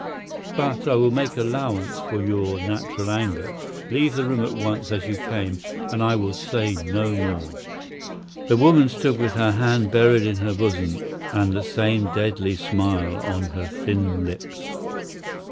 But I will make allowance for your natural anger. Leave the room at once as you came, and I will say no more." The woman stood with her hand buried in her bosom, and the same deadly smile on her thin lips.